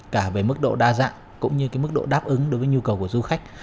cả về mức độ đa dạng cũng như cái mức độ đáp ứng đối với nhu cầu của du khách